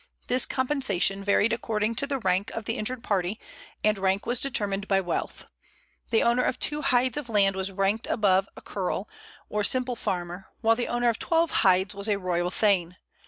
This compensation varied according to the rank of the injured party, and rank was determined by wealth. The owner of two hydes of land was ranked above a ceorl, or simple farmer, while the owner of twelve hydes was a royal thane.